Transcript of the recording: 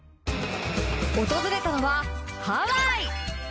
訪れたのはハワイ！